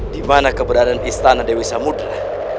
dimana keberadaan istana dewi samudera